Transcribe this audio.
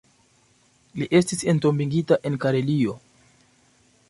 Li estis entombigita en Karelio.